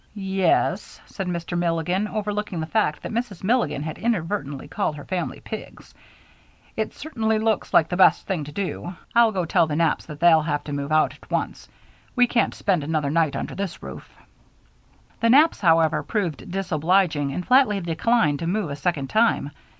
"Ye es," said Mr. Milligan, overlooking the fact that Mrs. Milligan had inadvertently called her family pigs, "it certainly looks like the best thing to do. I'll go and tell the Knapps that they'll have to move out at once we can't spend another night under this roof." The Knapps, however, proved disobliging and flatly declined to move a second time.